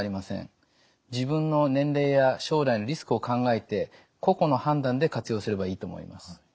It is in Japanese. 自分の年齢や将来のリスクを考えて個々の判断で活用すればいいと思います。